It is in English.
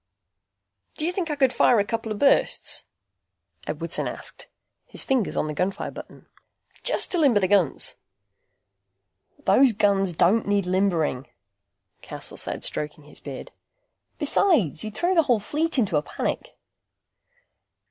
"Do you think I could fire a couple of bursts?" Edwardson asked, his fingers on the gunfire button. "Just to limber the guns?" "Those guns don't need limbering," Cassel said, stroking his beard. "Besides, you'd throw the whole fleet into a panic."